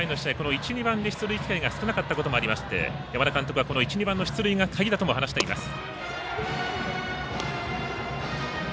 １、２番で出塁が少なかったこともありまして山田監督はこの一、二塁の出塁が鍵だとも話しています。